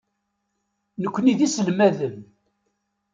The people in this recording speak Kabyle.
Nekni d iselmaden.